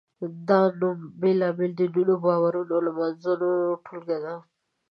دا نوم بېلابېلو دینونو، باورونو او لمانځنو ټولګه ده.